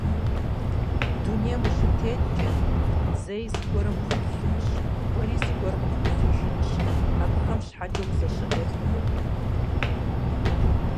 Дунейм ущытеткӀэ, зэи зыгуэрым ухуилъынщ, уэри зыгуэр къыпхуилъыжынщ - абыхэм щхьэкӀэ узэщыӀей хъунукъым.